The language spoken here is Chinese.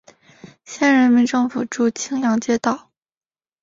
县人民政府驻青阳街道。